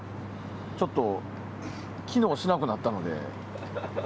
ちょっと機能しなくなったので。